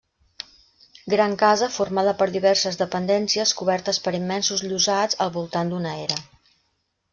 Gran casa formada per diverses dependències cobertes per immensos llosats, al voltant d'una era.